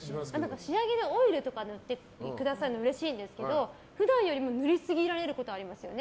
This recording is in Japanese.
仕上げでオイルとか塗ってくださるのはうれしいんですけど普段よりも塗りすぎられることありますよね。